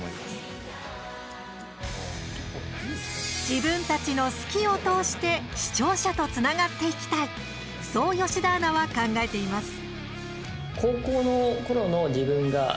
自分たちの好きを通して視聴者とつながっていきたいそう吉田アナは考えています。